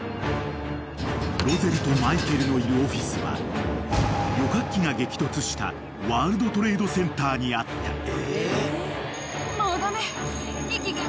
［ロゼルとマイケルのいるオフィスは旅客機が激突したワールドトレードセンターにあった］